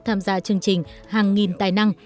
tham gia chương trình hàng nghìn tài năng